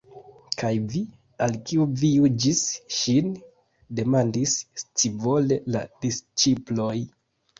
"Kaj vi? Al kiu vi juĝis ŝin?" demandis scivole la disĉiploj.